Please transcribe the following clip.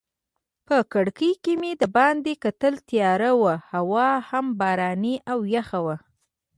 په کړکۍ کې مې دباندې کتل، تیاره وه هوا هم باراني او یخه وه.